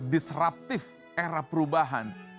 disruptive era perubahan